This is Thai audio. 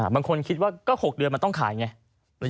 บางคนคิดว่าก็๖เดือนมันต้องขายไง